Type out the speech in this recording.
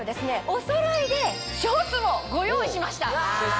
おそろいでショーツもご用意しました。